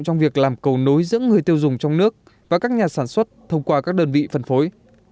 trong việc làm cầu nối giữa người tiêu dùng trong nước và các nhà sản xuất thông qua các đơn vị phân phối